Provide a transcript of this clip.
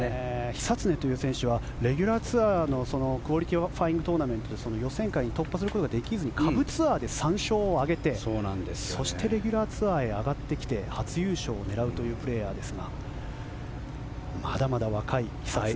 久常という選手はレギュラーツアーのクオリファイングトーナメントで予選会に突破することができずに下部ツアーで３勝を挙げてそして、レギュラーツアーへ上がってきて最終組のプレーです。